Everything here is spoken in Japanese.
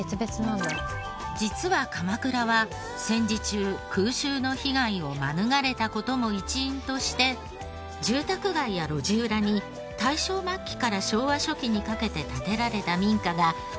実は鎌倉は戦時中空襲の被害を免れた事も一因として住宅街や路地裏に大正末期から昭和初期にかけて建てられた民家が多く現存。